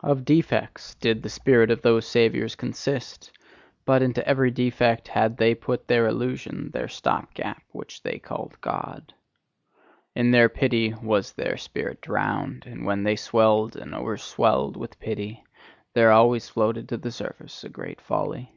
Of defects did the spirit of those Saviours consist; but into every defect had they put their illusion, their stop gap, which they called God. In their pity was their spirit drowned; and when they swelled and o'erswelled with pity, there always floated to the surface a great folly.